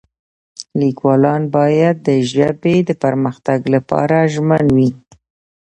لیکوالان باید د ژبې د پرمختګ لپاره ژمن وي.